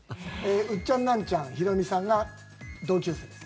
ウッチャンナンチャンヒロミさんが同級生です。